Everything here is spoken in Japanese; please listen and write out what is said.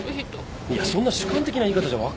いやそんな主観的な言い方じゃ分かんねえよ。